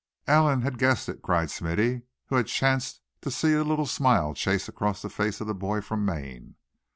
"Allan has guessed it!" cried Smithy, who had chanced to see a little smile chase across the face of the boy from Maine.